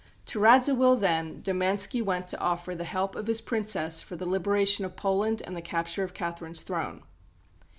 To Radziwill, then, Domanski went to offer the help of his Princess for the liberation of Poland and the capture of Catherine's throne.